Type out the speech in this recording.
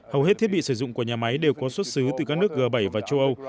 hầu hết thiết bị sử dụng của nhà máy đều có xuất xứ từ các nước g bảy và châu âu